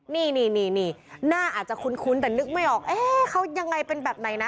นี่นี่นี่นี่หน้าอาจจะคุ้นคุ้นแต่นึกไม่ออกเอ๊เขายังไงเป็นแบบไหนนะ